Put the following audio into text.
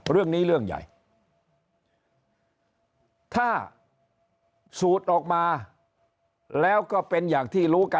เรื่องใหญ่ถ้าสูตรออกมาแล้วก็เป็นอย่างที่รู้กัน